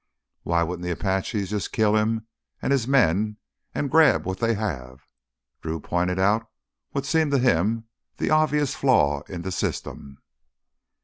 "Why wouldn't the Apaches just kill him and his men and grab what they have?" Drew pointed out what seemed to him the obvious flaw in the system.